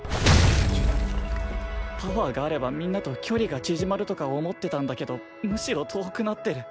パワーがあればみんなと距離が縮まるとか思ってたんだけどむしろ遠くなってる。